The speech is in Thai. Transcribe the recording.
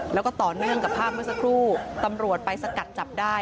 แล้วก็ต่อเนื่องกับภาพเมื่อสักครู่ตำรวจไปสกัดจับได้